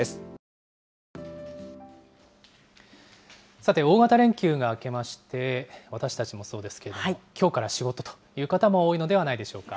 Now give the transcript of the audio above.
さて、大型連休が明けまして、私たちもそうですけれども、きょうから仕事という方も多いのではないでしょうか。